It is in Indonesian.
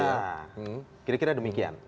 ya kira kira demikian